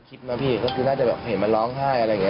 คิดนะพี่ก็คือน่าจะแบบเห็นมาร้องไห้อะไรอย่างนี้